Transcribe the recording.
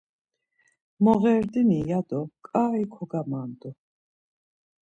Moğerdini ya do ǩai kogamandu.